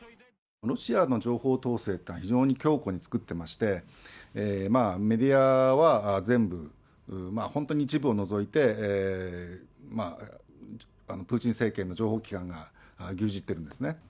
ロシアの情報統制というのは、非常に強固に作ってまして、メディアは全部、本当に一部を除いて、プーチン政権の情報機関が牛耳っているんですね。